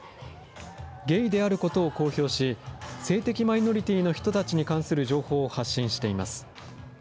ゲイであることを公表し、性的マイノリティーの人たちに関する情報を発信しています。